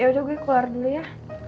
ya juga gue keluar dulu ya